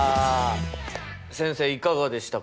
先生いかがでしたか。